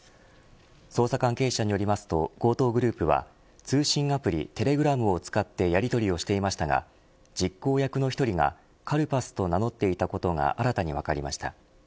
捜査関係者によりますと強盗グループは通信アプリ、テレグラムを使ってやりとりをしていましたが実行役の１人がカルパスと名乗っていたことが新たに分かりました。